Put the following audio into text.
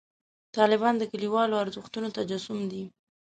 طالبان د کلیوالو ارزښتونو تجسم دی.